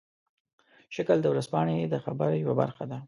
شکل د ورځپاڼې د خبر یوه برخه ده.